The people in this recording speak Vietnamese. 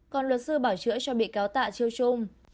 còn luật sư bảo chữa cho bị cáo tạ chiêu trung